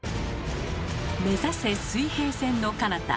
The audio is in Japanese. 目指せ水平線のかなた。